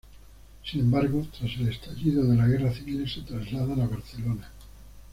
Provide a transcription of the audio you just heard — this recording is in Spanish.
Sin embargo, tras el estallido de la Guerra Civil se trasladan a Barcelona.